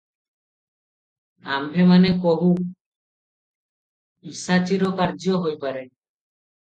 ଆମ୍ଭେମାନେ କହୁ, ପିଶାଚୀର କାର୍ଯ୍ୟ ହୋଇପାରେ ।